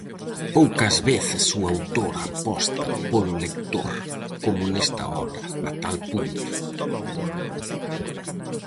Poucas veces o autor aposta polo lector, como nesta obra, a tal punto.